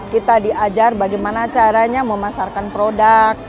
kita diajar bagaimana caranya memasarkan produk